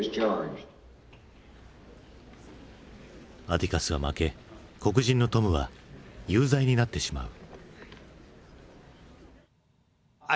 アティカスは負け黒人のトムは有罪になってしまう。